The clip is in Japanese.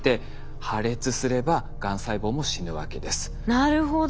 なるほど。